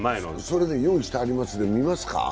それ用意してありますので、見ますか？